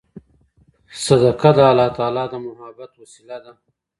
صدقه د الله تعالی د محبت وسیله ده.